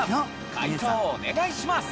解答お願いします。